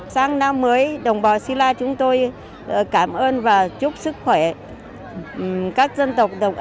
sáng năm mới đồng bào sĩ lai chúng tôi cảm ơn và chúc sức khỏe các dân tộc